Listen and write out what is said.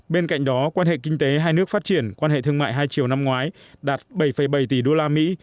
bên cạnh đó quan hệ kinh tế hai nước phát triển quan hệ thương mại hai chiều năm ngoái đạt bảy bảy tỷ đô la mỹ